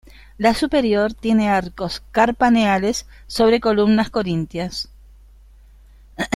La superior tiene arcos carpaneles sobre columnas corintias.